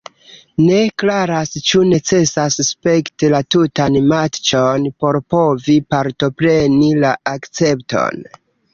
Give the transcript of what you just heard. Ne klaras ĉu necesas spekti la tutan matĉon por povi partopreni la akcepton.